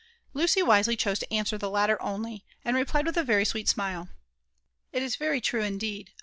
Lucy wisely chose to answer to the latter only, and replied with a very sweet smile, ♦* It is very true, indeed. I.